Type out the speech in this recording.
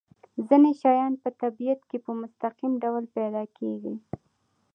ځینې شیان په طبیعت کې په مستقیم ډول پیدا کیږي.